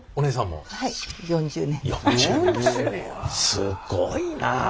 すごいな。